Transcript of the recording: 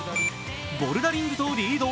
ボルダリングとリード